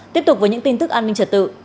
tiếp tục với những tin tức an ninh trật tự